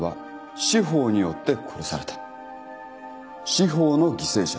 司法の犠牲者。